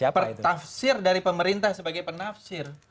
pertafsir dari pemerintah sebagai penafsir